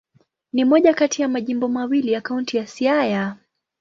Ni moja kati ya majimbo mawili ya Kaunti ya Siaya.